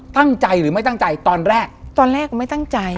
ตั้งใจหรือไม่ตั้งใจตอนแรกตอนแรกไม่ตั้งใจ